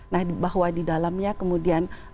nah bahwa di dalamnya kemudian